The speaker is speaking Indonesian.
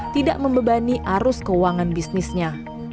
tidak membebani arus keuangan bisnisnya